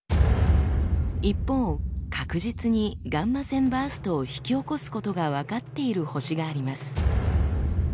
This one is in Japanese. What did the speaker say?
一方確実にガンマ線バーストを引き起こすことが分かっている星があります。